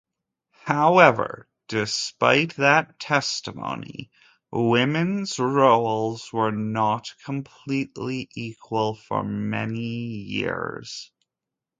However, despite that testimony, women's roles were not completely equal for many years.